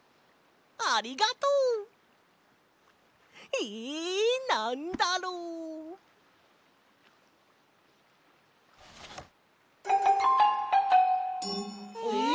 ありがとう！えなんだろう？えっ？